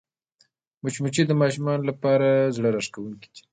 مچمچۍ د ماشومانو لپاره زړهراښکونکې ده